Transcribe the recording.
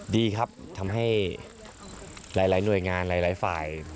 ดีครับทำให้หลายหน่วยงานหลายฝ่าย